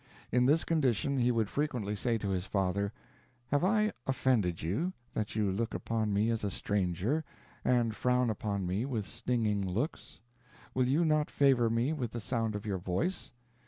In this condition, he would frequently say to his father, "Have I offended you, that you look upon me as a stranger, and frown upon me with stinging looks? Will you not favor me with the sound of your voice?